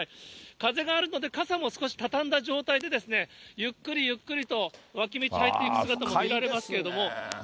風があるので、傘も少し畳んだ状態でですね、ゆっくりゆっくりと脇道入っていく姿も見られますけれども。